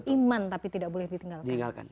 iman tapi tidak boleh ditinggalkan